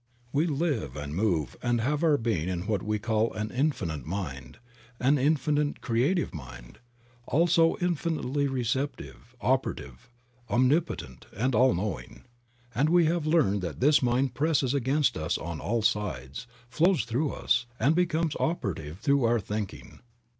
We live and move and have our being in what we call an Infinite Mind, an Infinite Creative Mind, also infinitely receptive, operative, omnipotent, and all knowing; and we have learned that this mind presses against us on all sides, flows through us, and becomes operative through our think ing.